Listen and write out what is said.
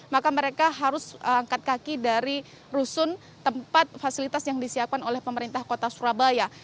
maka mereka harus angkat kaki dari rusun tempat fasilitas yang disiapkan oleh pemerintah kota surabaya